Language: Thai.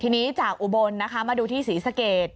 ทีนี้จากอุบรณ์มาดูที่ศรีศักย์